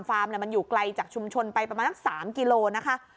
ฟาร์มน่ะมันอยู่ไกลจากชุมชนไปประมาณสักสามกิโลนะคะ